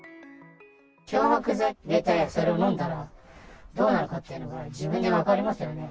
漂白剤を入れてそれを飲んだら、どうなるかっていうのは、自分で分かりますよね。